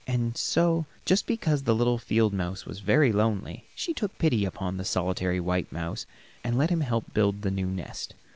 And so, just because the little field mouse was very lonely, she took pity upon the solitary white mouse and let him help build the new nest.